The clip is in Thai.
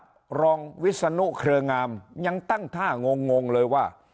รองวิศนุเครืองามยังตั้งท่างงเลยว่า